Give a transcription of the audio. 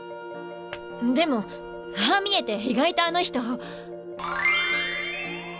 でもああ見えて意外とあの人。